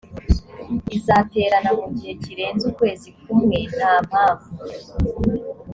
izaterana mu gihe kirenze ukwezi kumwe nta mpamvu